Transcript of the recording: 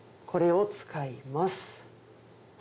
これを使います。